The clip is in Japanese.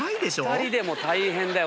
２人でも大変だよ